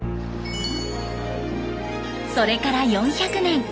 それから４００年。